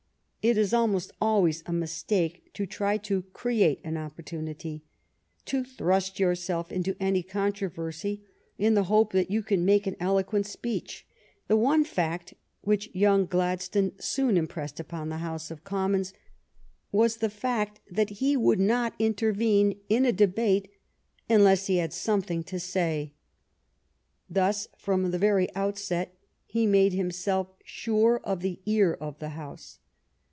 It is almost always a mistake to try to create an opportunity — to thrust yourself into any controversy in the hope that you can make an eloquent speech. The one fact which young Gladstone soon impressed upon the House of GLADSTONE'S FIRST PARLIAMENT 47 Commons was the fact that he would not intervene in a debate unless he had something to say. Thus from the very outset he made himself sure of the ear of the House.